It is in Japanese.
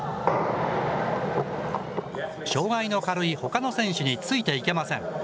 障害の軽いほかの選手についていけません。